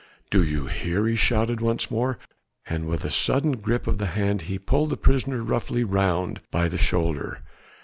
"Do you hear?" he shouted once more, and with a sudden grip of the hand he pulled the prisoner roughly round by the shoulder.